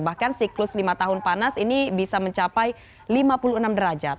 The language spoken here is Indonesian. bahkan siklus lima tahun panas ini bisa mencapai lima puluh enam derajat